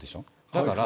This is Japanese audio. だから